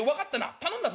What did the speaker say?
頼んだぞ」。